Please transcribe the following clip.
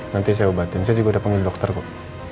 nanti saya obatin saya juga udah panggil dokter kok